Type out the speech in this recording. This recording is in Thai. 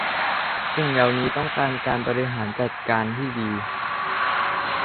สิ่งเหล่านี้ต้องการการบริหารจัดการที่ดี